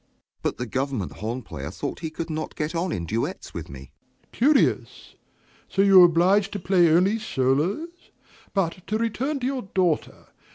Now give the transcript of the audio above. But the government horn player thought he could not get on in duets with me. DOMINIE. Curious! So you were obliged to play only solos? But to return to your daughter.